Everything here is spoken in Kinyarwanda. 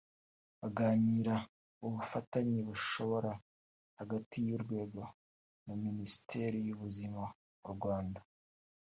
baganira ubufatanye bushoboka hagati y’uru rwego na Minisiteri y’ubuzima mu Rwanda